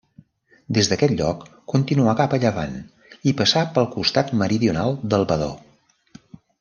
Des d'aquest lloc continua cap a llevant, i passa pel costat meridional del Badó.